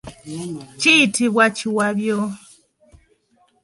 Kiyitibwa kiwabyo.